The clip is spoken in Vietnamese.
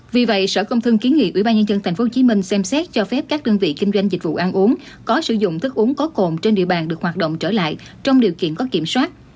vì vậy sở công thương kiến nghị ubnd tp hcm xem xét cho phép các đơn vị kinh doanh dịch vụ ăn uống có sử dụng thức uống có cồn trên địa bàn được hoạt động trở lại trong điều kiện có kiểm soát